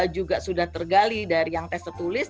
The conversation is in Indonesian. juga sudah tergali dari yang tes tertulis